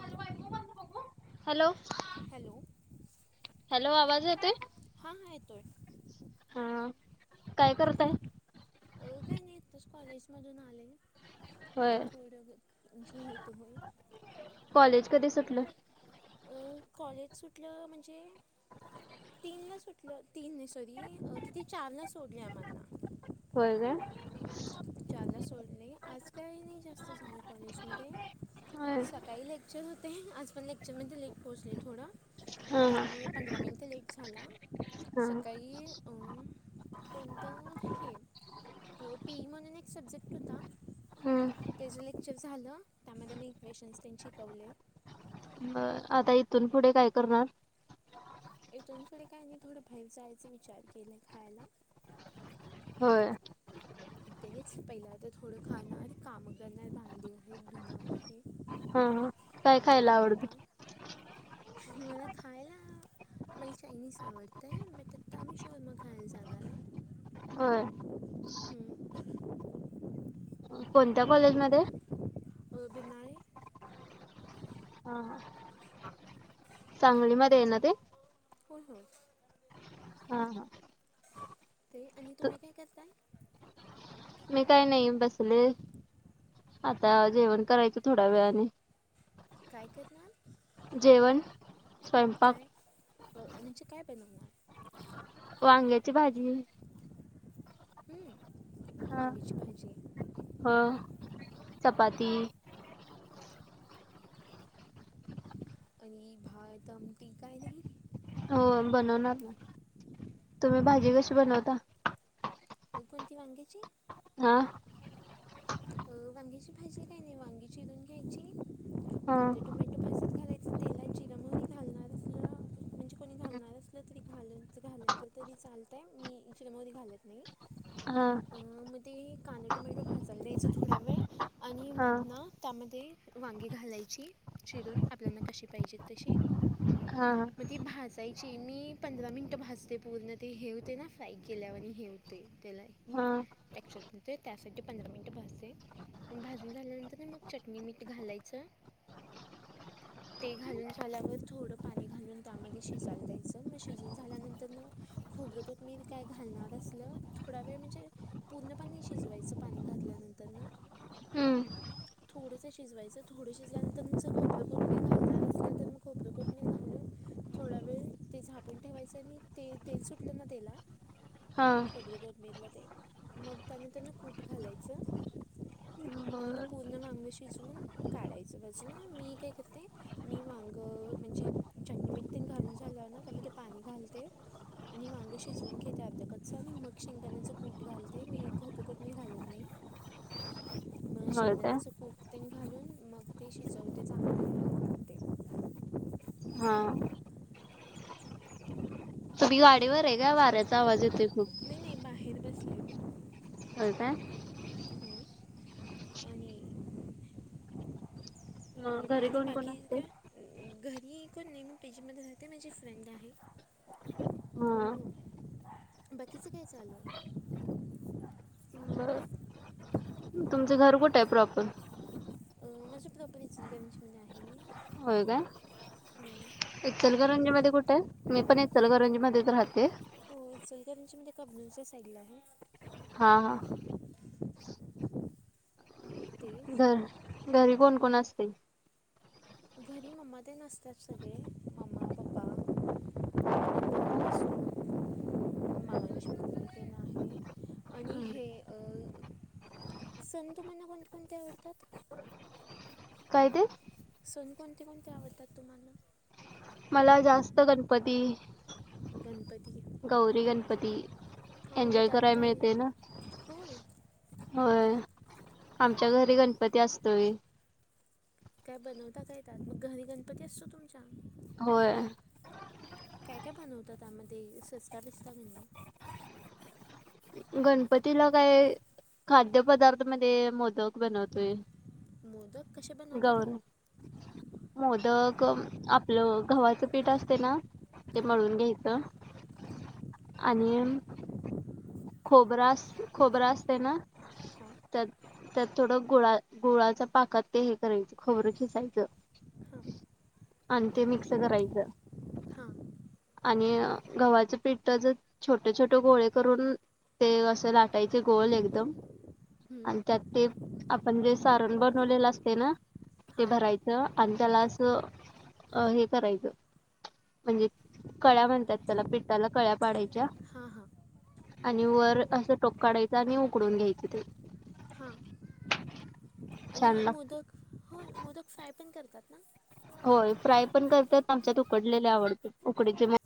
हां hello! Hello hello आवाज येतोय? हां हां येतोय [inaudible] हा, काय करताय? अ काही नाही आतच कॉलेजमधून आलेय होय. आता थोड म्हणजे होतो. कॉलेज कधी सुटलं? अ, कॉलेज सुटलं म्हणजे, तीनला सुट लं, तीन नाही सॉरी, किती चारला सोडलय आम्हाना. व्हय काय. जाला सोड नाही, आजकाल नाही जास्त झालं कॉलेजमध्ये होय सकाळी लेक्चर होते, आज पण लेक्चरमध्ये लेट पोहोचले थोड. हा हा त्यामुळे पंधरा मिनिट लेट झाला, हा. सकाळी कोणंत हे, पी. ई म्हणून एक सब्जेक्ट होता. हम्म त्येचं लेक्चर झालं, त्यामध्ये मी क्वेशन्स पण शिकवले. म, आता इथून पुढे काय करणार? इथून पुढे काय आणि बाहेर जायच विचार केलंय खायला. होय. तेच पहिल्या तर थोडं खाणार, कामं करणार भांडी आहेत धुनं आहे. हं, ह. तेवढे धुणार, मला खायला. मला चायनीज आवडतय, म तिथं आम्ही शो - बघायला जाणार हाय. होय. कोणत्या कॉलेजमध्ये? बीनाळी. हा, ह. सांगलीमध्ये आहे ना ते? हो, हो. आ, हा. ते आणि तुम्ही काय करताय? मी काही नाही बसलेय, आता जेवण करायचं थोड्या वेळाने. काय करणान? जेवण, स्वयंपाक. अं, म्हणजे काय बनवणार? वांग्याची भाजी. हम्म, वांग्याची भाजी. ह, चपाती. आणि भात-आमटी काय नाही? हो बनवणार ना, तुम्ही भाजी कशी बनवता? कोणती वांग्याची? हा. अ, वांगीची भाजी काय नाही, वांगी चिजून घ्यायची. हा कांदाे टोमॅटो भाजीत घालायची. [unintelligible] म्हणजे कोणी घालणार असलं तरी घालून, घालातल तरी चालतंय. मी इ, चिकन मध्ये घालत नाही. [unintelligible] अ, म, ते कांदा टोमॅटो घाल द्यायच थोडा वेळ, आणि हा म ना त्यामध्ये वांगी घालायची. चिरून आपल्यालाना कशी पाहिजेत तशी हा, ह मग ती भाजायची, मी पंधरा मिनटं भाजते पूर्ण ते हे होते ना फ्राय केल्यावर हे होते. हा [unintelligible] पंधरा मिनिट भाजते, आणि भाजून झाल्यानंतरन मग चटणी मीठ घालायचं. [inaudible] ते घालून झाल्यावर थोडं पाणी घालून त्यामध्ये शिजायला द्यायच मग शीजून झाल्यानंतर न खोबर कोथिंबीर काय घालणार असल थोडा वेळ म्हणजे पूर्णपणे शिजवायच पाणी. घातल्यानंतर हम्म थोडस शिजवायच थोड शिजल्या नंतर खोबर कोथिंबीर घालणार असलं तर मग खोबर कोथिंबीर [inaudible] थोडा वेळ ते झाकून ठेवायच आणि ते तेल सुटल ना तेला हा. [unintelligible] मग त्यानंतर कूट घालायच. [inaudible] आणि मग पूर्ण वांग शिजवून काढायच बाजूला मी काय करते मी वांग म्हणजे चटणी बीटनीत घालून झाल्या ना त्यामध्ये पाणी घालते. आणि वांग शिजवून घेते आर्ध कच्च आणि मग शेंगदाणायचं कूट घालते मी [unintelligible] मी घालत नाही होय काय शेंगदाण्याच कूट. नी घालून मग ते शिजवते चांगले मग ते हां तुम्ही गाडीवर आहे. का वाऱ्याचा आवाज येतोय खूप. मी बाहेर बसले मी. होय काय. हं. आणि मग घरी आणि कोण कोण बाकी असतंय काय? घरी कोणी नाही मी पीजी मध्ये राहते. माझी फ्रेंड आहे. हां बाकीच काय चालू आहे. तुमच घर कुठ आहे. प्रॉपर? माझ्या प्रपरीच [unintelligible] गेमजमध्ये आहे मी. होय. का. हं. इचलकरंजी मध्ये कुठे आहे. मी पण इचलकरंजी मध्येच राहते. इचलकरंजी म्हणजे कबलूनच्या साईडला आहे. हा, हां तेच घरी कोण कोण हं. असतय? घरी मम्मा तेन असतात सगळे. मम्मा पप्पा होय ना. दादा, सासू, मामांची मुलगी ते आहे आणि हम्म हे अ सण तुम्हाला कोणते कोणते आवडतात? काय ते? सण कोणते कोणते आवडतात तुम्हाला? मला जास्त गणपती. गणपती गौरी गणपती हां मग एन्जॉय त्यात करायला काय मिळते ना. होय, होय आमच्या घरी गणपती असतोय. काय बनवता काय येतात मग घरी गणपती असतो तुमच्या. होय काय काय बनवता त्यामध्ये सजता का नाही गणपतीला काय खाद्य पदार्थ मध्ये मोदक बनवतोय. मोदक कसे बनवता ते? गौर मोदक आपल गव्हाच पीठ असतय ना. ते हां मळून घ्यायच आणि खोबरं, खोबरं असतय ना. हां. त्यातं, थोडं गुळा, गुळाच्या पाकात ते हे करायचं, खोबरं खिसायचं. हां आणि ते मिक्स करायचं. हां आणि गव्हाचं पिठाचं छोटे -छोटे गोळे करून ते असं लाटायचे गोल एकदम, हं, आणि त्यातं ते आपण जे सारण बनवलेलं असतय ना, ते हां भरायचं. आणि त्याला असं अं, हे करायचं. म्हणजे कळ्या म्हणतात त्याला, पिठाला कळ्या पाडायच्या. हा, हा. आणि वर असं टोप काढायच आणि उकडून घ्यायच ते. हां, छान आणि लाग मोदक होय मोदक फ्राय पण करतात ना? होय, फ्राय पण करतात, आमच्यात उकडलेले आवडत उकडीचे मोदक.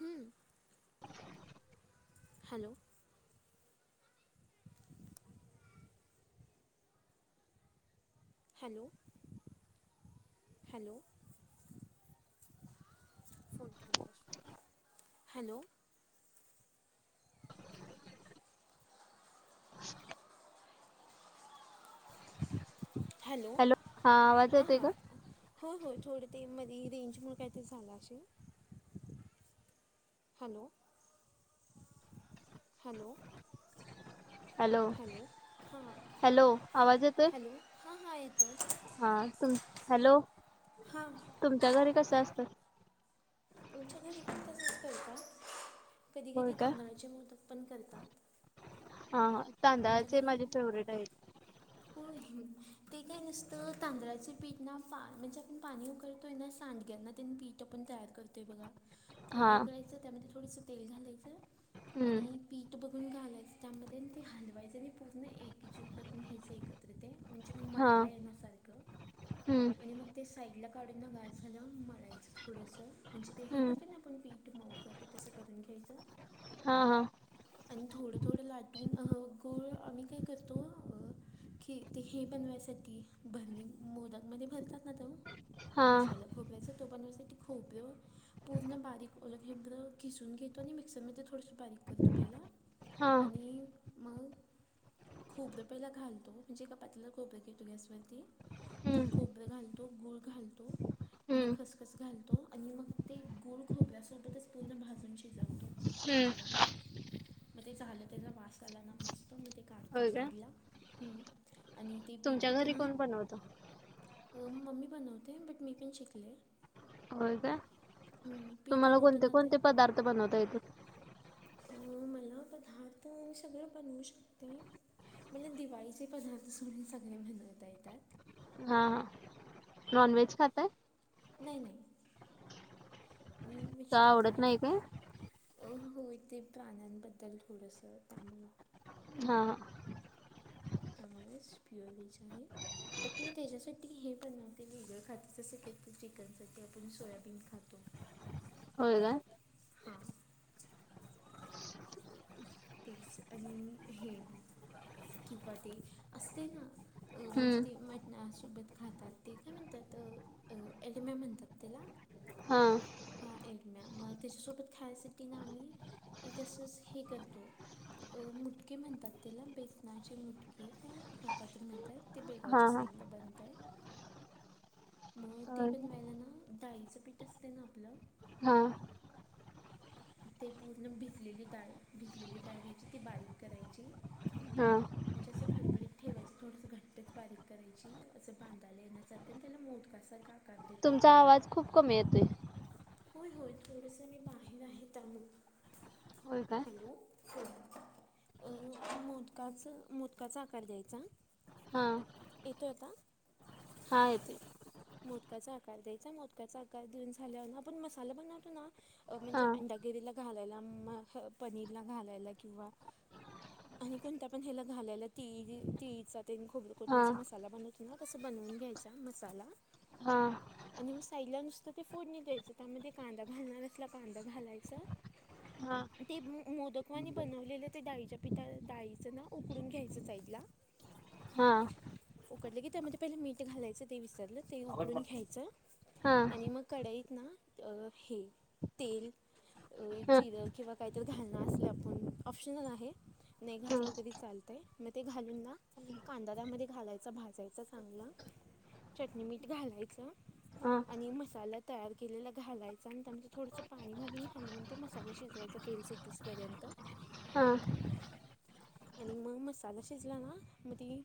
हम्म. Hello. Hello, hello. Hello. Hello, हा आवाज हां, येतोय हां. का हो, होय थोडं ते मध्ये रेंजमुळे कायत झालं असेल. Hello, hello. Hello, hello. आवाज येतोय? हा, हा. येतोय. हा तुम, हॅलो. हां. तुमच्या घरी कसं असतं? आमच्या घरी पण तसंच करतात, कधी होय -कधी का तांदळाचे मोदक पण करतात. हा, ह. आमच्या घरी हो, ते काय नसतं तांदळाचे पीठ ना म्हणजे आपण पाणी उकलतो सांडग्या मध्ये पण पीठ आपण तयार करतोय बघा. पाणी हा उकळायचं त्यामध्ये थोडसं तेल घालायचं, हम्म आणि पीठ बघून घालायचं, त्यामध्ये आणि ते हलवायचं आणि पूर्ण एकजीव करून घ्यायचं एकत्रित ते, म्हणजे मग हा म्हळायला येण्यासारखं. हम्म आणि मग ते साईडला काढून ना गार झाल्यावर मळायचं थोडस. म्हणजे ते हेच हम्म तेन आपण पिठं मळतो, तसं करून करून घ्यायचं. हा, हा. आणि थोडं -थोडं लाटून अ, गूळ आम्ही काय करतो अ की ते हे बनवायसाठी, भरणी मोलांमध्ये भरतात ना एकदम हा मसाला खोबऱ्याच तो बनवायसाठी खोबर. पूर्ण बारीक ओलं खोबरं किसून घेतो नि आणि मिक्सरमध्ये थोडसं बारीक तो पहिला हा आणि मग खोबरं पहिला घालतो, म्हणजे एक पातेलात खोबरं घेतो गॅस वर. त्यात हम्म खोबरं घालतो, गूळ घालतो, आणि हम्म खस खस घालतो आणि मग ते गूळ खोबऱ्यासोबतच पूर्ण भाजून शिजवतो. हम्म. म ते झालं त्याचा वास आला ना मस्त. म ते काढतो होय का साईड ला. हम्. आणि ते पीठ तुमच्या होतं घरी ना? कोण बनवत? [unintelligible] मम्मी बनवते बट मी पण शिकले. होय का? हम्म, पीठ तुम्हाला होतं कोणते ना ते कोणते पदार्थ बनवता येतात? अ. मी ना पदार्थ सगळे बनवू शकते. मला दिवाळीचे पदार्थ सोडून सगळे बनवता येतात. हा. नॉनव्हेज खाता? नाही नाही. मी का वेजिटेरियन आवडत आहे. नाही काय अ होय. तेे प्राण्यांबद्दल थोडंस त्यामुळ. हां. त्यामुळेच प्युअर व्हेज आहे. बट मी त्याच्यासाठी हे बनवते. वेगळं खाते जस की चिकन साठी आपण सोयाबीन खातो. होय का? हा. तेच आणि हे किंवा ते असतय ना? अ -म्हणजे हम्म ते मटणासोबत खातात. ते काय म्हणतात? ॲलिमि म्हणतात त्याला. हो. हा. एगमॅ मग त्याच्यासोबत खायासाठी ना आम्ही एक असच हे करतो. अं. मुटके म्हणतात तेला बेसनाचे मुटकी काय ते काहीतरी म्हणतात. ते हा बेळगावच्या हा साईडला बनत. म ते होय का बनवायला ना? डाळीचं पीठ असते ना आपलं? हं. ते पूर्ण भिजलेली डाळ. भिजलेली डाळ घ्यायची ती बारीक करायची- हा. म्हणजे असं खडबडीत ठेवायच. थोडस घट्टच बारीक करायची. असं बांधायला येण्यासारखं. त्याला मोदकासारखा - तुमचा आवाज खूप कमी येतोय. होय होय. थोडसं मी बाहेर आहे त्यामुळं. होय काय हॅलो. अ. मोदकाच मोदकाचा आकार द्यायचा. हा येतोय आता? हां येतोय. मोदकाचा आकार द्यायचा. मोदकाचा आकार देऊन झाल्यावर, आपण मसाला बनवतो ना? अ हा म्हणजे? अंडाकरीला घालायला. पनीरला घालायला किंवा- ह आणि कोणत्या पण ह्याला घालायला. तिळी तिळीचा ते न खोबर हा कोथमिरचा मसाला बनवतो - -ना? तसं बनवून घ्यायचा मसाला. हा. आणि मग साईडला नुसतं ते फोडणी द्यायचं. त्यामध्ये कांदा घालणार असला कांदा घालायचा. हां. ते मोदकवानी बनवलेलं ते, डाळीच्या पिठा डाळीचं ना? उकडून घ्यायचं साईडला. हा. उकडलं की त्यामध्ये पहिलं मीठ घालायचं. ते विसरलं. ते उकडून हां घ्यायचं- आणि मग कढाईत ना? अ हे तेल- अ हां जिरं किंवा काहीतरी घालणं असल आपण ऑप्शनल आहे. नाही घातलं हां तरी चालतय, म ते घालून ना. कांदा त्यामध्ये घालायचा, भाजायचा चांगला. चटणी- मीठ घालायचं आणि मसाला तयार केलेला घालायचं आणि त्यांमध्ये थोडंसं पाणी घालून हालवून ते मसाला शिजवायचा तेल सुटुस पर्यंत. हा. आणि म मसाला शिजला ना मग ती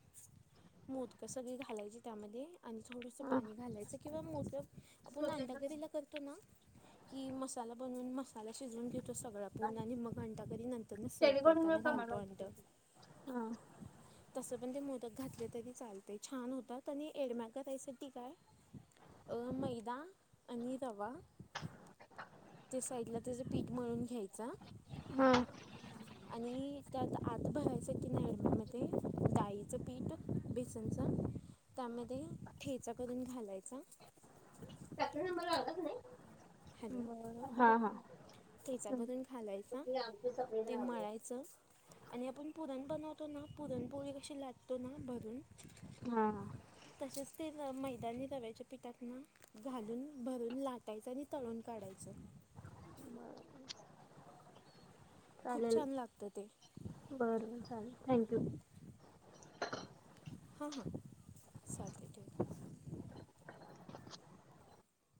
मोदकं सगळे घालायचे त्यामध्ये, आणि थोडसं हां पाणी घालायचं किंवा मोदकं आपण अंडागरीला करतो. त, ना की मसाला बनवून मसाला शिजवून घेतो सगळा पूर्ण आणि अंडागरी नंतर सव्ह करताना घालतो अंड. [unintelligible] तस पण ते मोदक घातले तरी चालतय, छान होतात आणि एडमॅक रेसेपी काय अ, मैदा आणि रवा. ते साईडला त्याचं पीठ मिळून घ्यायच. हां हां हां आणि, त्यात आत भरायसाठी नाही म, ते डाळीचं पीठ बेसनचं. त्यामध्ये ठेचा करून घालायचा. हॅलो हा, हा. ठेचा करून घालायचा, ते मळायचं. आणि आपण पुरण बनवतो ना, पुरणपोळी कशी लाटतो ना भरून. हां तसेच ते मैदानी रव्याच्या पिठात ना घालून भरून लाटायचं आणि तळून काढायचं. खूप चालेल छान लागतं ते. बरं चालेल, थँक्यू. हा, हां चालतंय ठेवतो.